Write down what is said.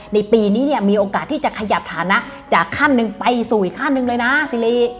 ในปีนี้เนี่ยมีโอกาสที่จะขยับฐานะจากขั้นหนึ่งไปสู่อีกขั้นหนึ่งเลยนะซิริ